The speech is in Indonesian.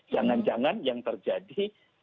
jangan jangan yang terjadi